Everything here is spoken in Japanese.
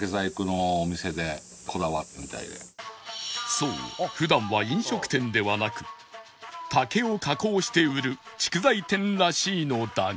そう普段は飲食店ではなく竹を加工して売る竹材店らしいのだが